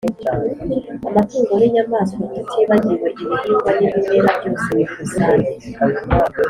amatungo n’inyamaswa, tutibagiwe ibihingwa n’ibimera byose muri rusange